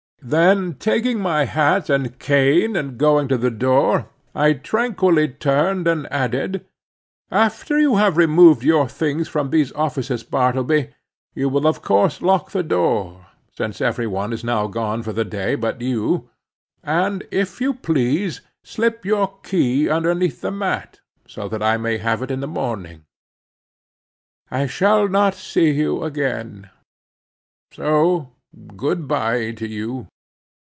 Then taking my hat and cane and going to the door I tranquilly turned and added—"After you have removed your things from these offices, Bartleby, you will of course lock the door—since every one is now gone for the day but you—and if you please, slip your key underneath the mat, so that I may have it in the morning. I shall not see you again; so good bye to you.